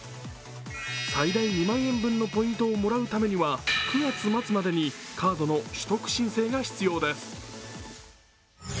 最大２万円分のポイントをもらうためには９月末までにカードの取得申請が必要です。